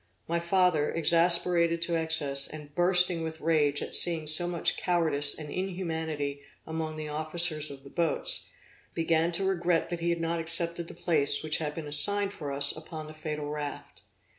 My father, exasperated to excess, and bursting with rage at seeing so much cowardice and inhumanity among the officers of the boats, began to regret he had not accepted the place which had been assigned for us upon the fatal raft.